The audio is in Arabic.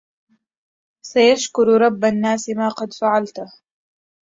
سيشكر رب الناس ما قد فعلته